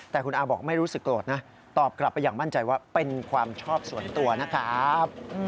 แต่คุณอาบอกไม่รู้สึกโกรธนะตอบกลับไปอย่างมั่นใจว่าเป็นความชอบส่วนตัวนะครับ